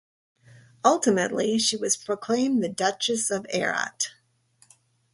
Ultimately she was proclaimed the Duchess of Erat.